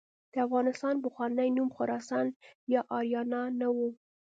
د افغانستان پخوانی نوم خراسان یا آریانا نه و.